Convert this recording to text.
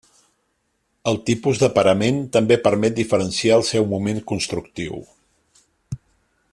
El tipus de parament també permet diferenciar el seu moment constructiu.